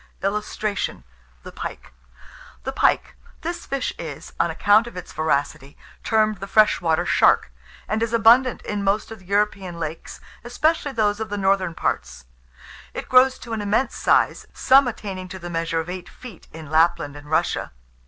[Illustration: THE PIKE.] THE PIKE. This fish is, on account of its voracity, termed the freshwater shark, and is abundant in most of the European lakes, especially those of the northern parts. It grows to an immense size, some attaining to the measure of eight feet, in Lapland and Russia.